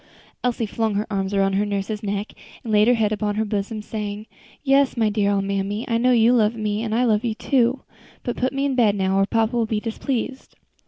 Elsie flung her arms around her nurse's neck, and laid her head upon her bosom, saying, "Yes, my dear old mammy, I know you love me, and I love you, too. But put me in bed now, or papa will be displeased."